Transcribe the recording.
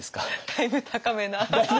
だいぶ高めな。